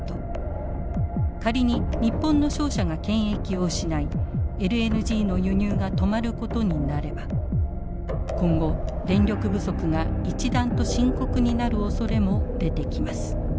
仮に日本の商社が権益を失いＬＮＧの輸入が止まることになれば今後電力不足が一段と深刻になるおそれも出てきます。